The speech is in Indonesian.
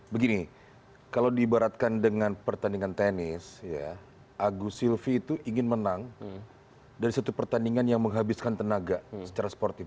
begini kalau diibaratkan dengan pertandingan tenis agus silvi itu ingin menang dari satu pertandingan yang menghabiskan tenaga secara sportif